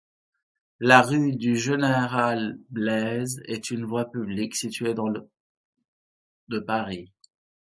La rue du Général-Blaise est une voie publique située dans le de Paris.